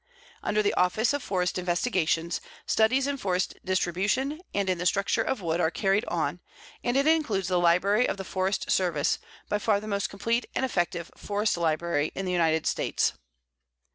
Under the Office of Forest Investigations, studies in forest distribution and in the structure of wood are carried on, and it includes the Library of the Forest Service, by far the most complete and effective forest library in the United States.